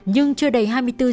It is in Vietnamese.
nhưng chưa đầy hai mươi bốn h